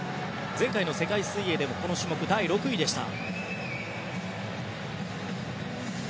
前回の世界水泳でもこの種目、第６位でした。